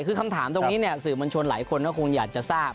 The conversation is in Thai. คือคำถามตรงนี้เนี่ยสื่อมวลชนหลายคนก็คงอยากจะทราบ